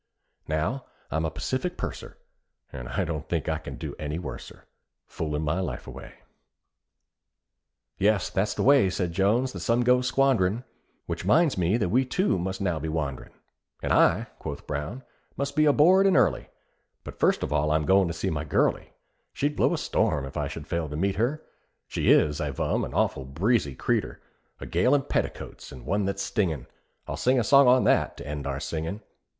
Now I'm a Pacific purser, And don't think I can do any worser, Foolin' my life away. "Yes, that's the way," said Jones, "that some go squandrin', Which minds me that we too must now be wand'rin':" "And I," quoth Brown, "must be aboard and early; But first of all I'm going to see my girley; She'd blow a storm if I should fail to meet her: She is, I vum, an awful breezy creeter, A gale in petticoats, and one that's stinging; I'll sing a song on that—to end our singing.